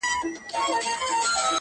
ډلي وینم د مرغیو پورته کیږي٫